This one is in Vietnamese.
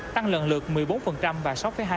tăng lần lượt một mươi bốn và sáu hai